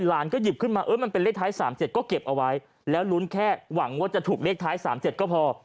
หลานก็หยิบขึ้นมาเออมันเป็นเลขท้าย๓๗ก็เก็บเอาไว้แล้วลุ้นแค่หวังว่าจะถูกเลขท้าย๓๗ก็พอ